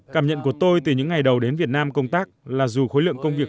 cảm nhận của tôi từ những ngày đầu đến việt nam công tác là dù khối lượng công việc